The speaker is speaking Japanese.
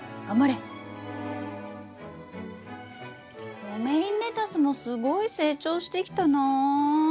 ロメインレタスもすごい成長してきたな。